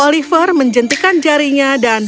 oliver mencintikan jarinya dan